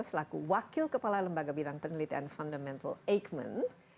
selaku wakil kepala lembaga bidang penelitian fundamental eijkman